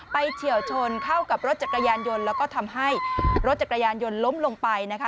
เฉียวชนเข้ากับรถจักรยานยนต์แล้วก็ทำให้รถจักรยานยนต์ล้มลงไปนะคะ